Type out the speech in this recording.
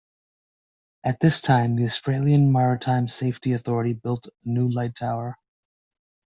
At this time the Australian Maritime Safety Authority built a new light tower.